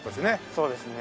そうですね。